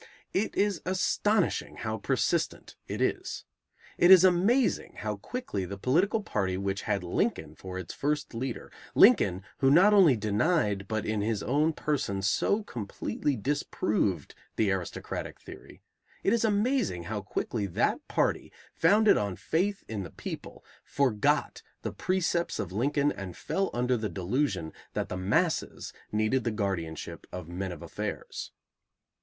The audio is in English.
It is astonishing how persistent it is. It is amazing how quickly the political party which had Lincoln for its first leader, Lincoln, who not only denied, but in his own person so completely disproved the aristocratic theory, it is amazing how quickly that party, founded on faith in the people, forgot the precepts of Lincoln and fell under the delusion that the "masses" needed the guardianship of "men of affairs."